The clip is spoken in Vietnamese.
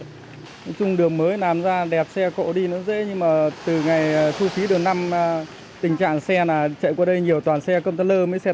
nói chung đường mới làm ra đẹp xe cộ đi nó dễ nhưng mà từ ngày thu phí đường năm tình trạng xe là chạy qua đây nhiều toàn xe công tác lơ mấy xe tải